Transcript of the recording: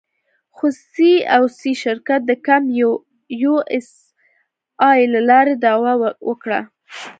خو سي او سي شرکت د کمپ یو اس اې له لارې دعوه وکړه.